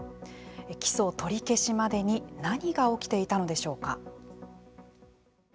起訴取り消しまでに何が起きていたのでしょうか。